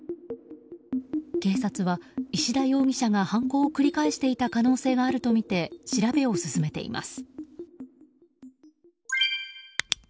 警察は、石田容疑者が犯行を繰り返していた可能性があるとみて調べを進めています。